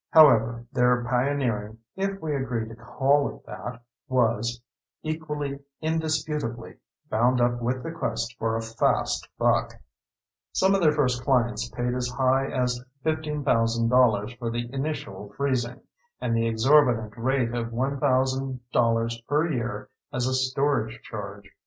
However, their pioneering if we agree to call it that was, equally indisputably, bound up with the quest for a fast buck. Some of their first clients paid as high as $15,000 for the initial freezing, and the exorbitant rate of $1,000 per year as a storage charge.